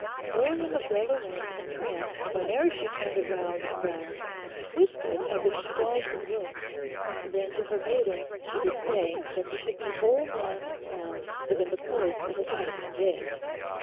William of Deloraine, in trance, Whene'er she turned it round' and round Twisted as if she galled his wound. Then to her maidens she did say, That he should be whole man and sound, Within the course of a night and day.